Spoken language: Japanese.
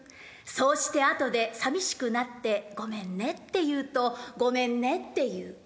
そうして、あとでさみしくなって、『ごめんね』っていうと『ごめんね』っていう。